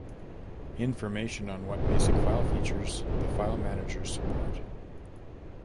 Information on what basic file features the file managers support.